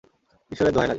ঈশ্বরের দোহাই লাগে।